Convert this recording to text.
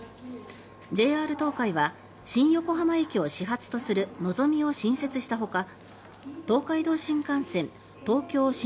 ＪＲ東海は新横浜駅を始発とするのぞみを新設したほか東海道新幹線東京新